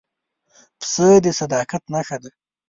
پسه د صداقت نښه ده.